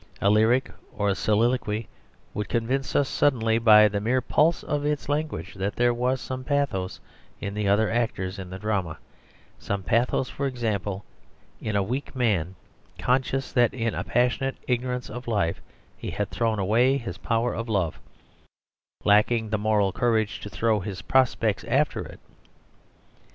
A lyric or a soliloquy would convince us suddenly by the mere pulse of its language, that there was some pathos in the other actors in the drama; some pathos, for example, in a weak man, conscious that in a passionate ignorance of life he had thrown away his power of love, lacking the moral courage to throw his prospects after it.